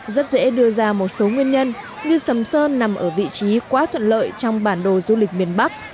rất dễ đưa ra một số nguyên nhân như sầm sơn nằm ở vị trí quá thuận lợi trong bản đồ du lịch miền bắc